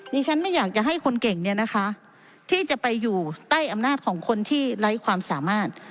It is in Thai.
ฉันไม่อยากจะให้คนเก่งเนี่ยนะคะที่จะไปอยู่ใต้อำนาจของคนที่ไร้ความสามารถ